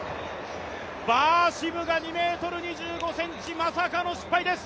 バーシムが２ｍ２５ｃｍ、まさかの失敗です。